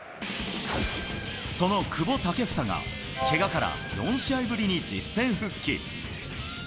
その久保建英が、けがから４試合ぶりに実戦復帰。